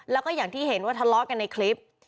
แล้วก็อย่างที่เห็นว่าทะเลาะกันในคลิป